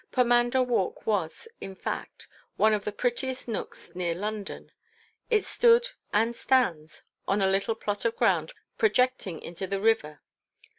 Pomander Walk was, in fact, one of the prettiest nooks near London. It stood—and stands—on a little plot of ground projecting into the river.